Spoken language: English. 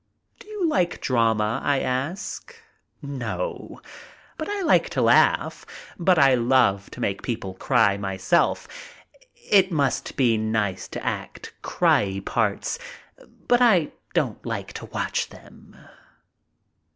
"Do you like drama?" I ask. "No. I like to laugh, but I love to make people cry myself. It must be nice to act 'cryie' parts, but I don't like to watch them."